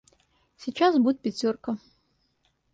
Сейчас будет пятерка.